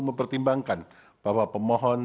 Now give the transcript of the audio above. mempertimbangkan bahwa pemohon